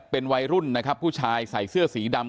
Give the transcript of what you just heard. เป็นวัยรุ่นนะครับผู้ชายใส่เสื้อสีดำ